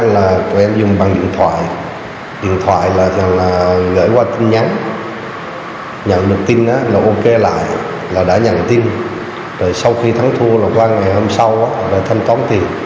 là đã nhận tin rồi sau khi thắng thua là qua ngày hôm sau rồi thăm tóm tiền